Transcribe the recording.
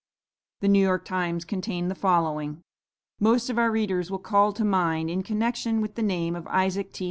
"'The New York Times' contained the following: "'Most of our readers will call to mind, in connection with the name of Isaac T.